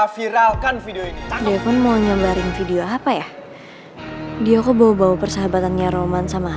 mengiralkan video ini depan mau nyambarin video apa ya dia kebawa persahabatannya roman sama